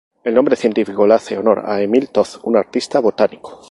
El nombre específico le hace honor a Emil Todt, un artista botánico.